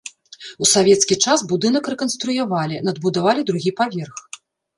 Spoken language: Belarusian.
У савецкі час будынак рэканструявалі, надбудавалі другі паверх.